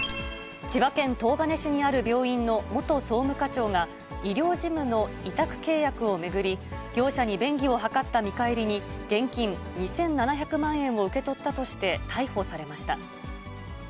千葉県東金市にある病院の元総務課長が、医療事務の委託契約を巡り、業者に便宜を図った見返りに、現金２７００万円を受け取ったとして、逮捕されました。